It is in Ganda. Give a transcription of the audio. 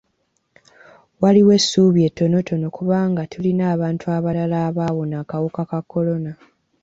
Waliwoko essuubi ettonotono kubanga tulina abantu abalala abawona akawuka ka kolona.